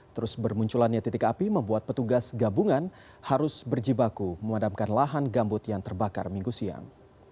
terus bermunculannya titik api membuat petugas gabungan harus berjibaku memadamkan lahan gambut yang terbakar minggu siang